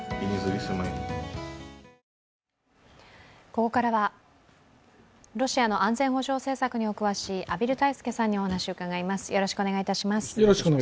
ここからはロシアの安全保障政策にお詳しい畔蒜泰助さんにお話を伺います。